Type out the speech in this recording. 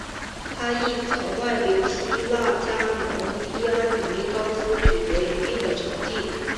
他亦曾外流希腊加盟伊安尼高斯取得一定的成绩。